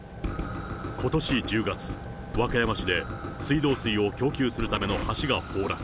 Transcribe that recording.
ことし１０月、和歌山市で水道水を供給するための橋が崩落。